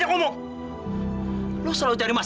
ya allah mas